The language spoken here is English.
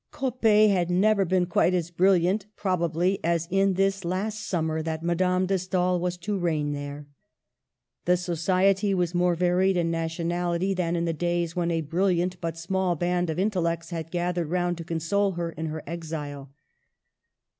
Coppet had never been quite as brilliant, prob ably, as in this last summer that Madame de Stael was to reign there. The society was more varied in nationality than in the days when a brilliant but small band of intellects had gathered round to console her in her exile.